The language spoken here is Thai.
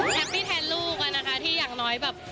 แฮปปี้แทนลูกอะนะคะที่อย่างน้อยแบบ